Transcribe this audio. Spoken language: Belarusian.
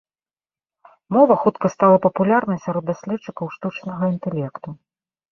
Мова хутка стала папулярнай сярод даследчыкаў штучнага інтэлекту.